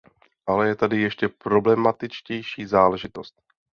Ale je tady ještě problematičtější záležitost.